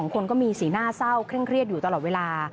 คนก็มีสีหน้าเศร้าเคร่งเครียดอยู่ตลอดเวลา